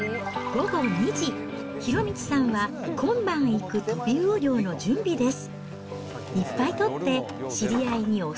午後２時、博道さんは、今晩行くトビウオ漁の準備です。